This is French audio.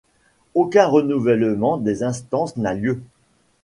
Aucun renouvellement des instances n'a lieu.